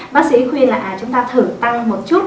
bác sĩ khuyên là chúng ta thử tăng một chút